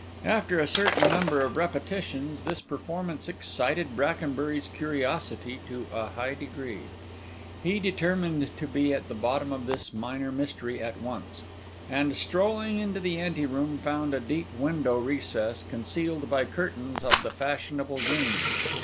After a certain number of repetitions, this performance excited Brackenbury's curiosity to a high degree. He determined to be at the bottom of this minor mystery at once; and strolling into the ante room, found a deep window recess concealed by curtains of the fashionable green.